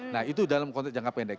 nah itu dalam konteks jangka pendek